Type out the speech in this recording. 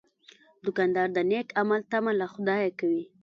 دوکاندار د نیک عمل تمه له خدایه کوي.